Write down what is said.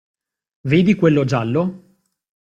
Vedi quello giallo?